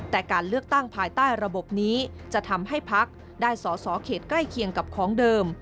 แต่การเลือกตั้งภายใต้ระบบนี้จะทำให้พักได้สอสอเขตใกล้เคียงกับของเดิม